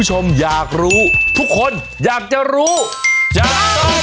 ใช่แล้วล่ะครับ